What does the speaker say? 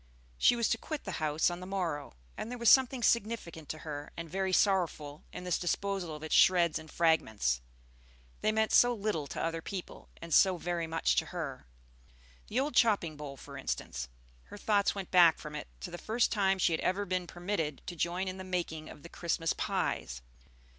She was to quit the house on the morrow; and there was something significant to her, and very sorrowful, in this disposal of its shreds and fragments; they meant so little to other people, and so very much to her. The old chopping bowl, for instance, her thoughts went back from it to the first time she had ever been permitted to join in the making of the Christmas pies.